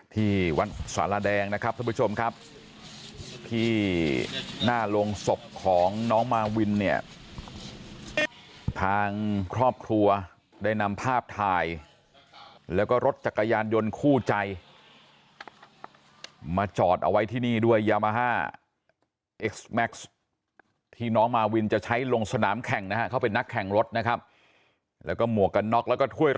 ที่วัดสาระแดงนะครับท่านผู้ชมครับที่หน้าลงศพของน้องมาวินเนี่ยทางครอบครัวได้นำภาพถ่ายแล้วก็รถจักรยาภาพของน้องมาวินเนี่ยทางครอบครัวได้นำภาพถ่ายแล้วก็รถจักรยาภาพของน้องมาวินเนี่ยทางครอบครัวได้นำภาพถ่ายแล้วก็รถจักรยาภาพของน้องมาวินเนี่ยทางครอบครัวได้นำภาพถ่ายแล้วก็รถจักร